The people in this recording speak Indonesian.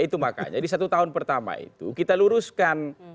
itu makanya di satu tahun pertama itu kita luruskan